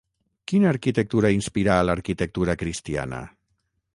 Quina arquitectura inspirà l'arquitectura cristiana?